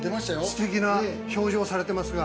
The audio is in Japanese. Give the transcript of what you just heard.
◆すてきな表情をされていますが。